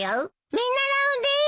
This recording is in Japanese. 見習うです！